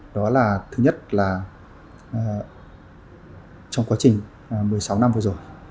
đó là thứ nhất là trong quá trình một mươi sáu năm vừa rồi